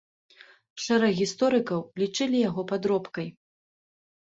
Шэраг гісторыкаў лічылі яго падробкай.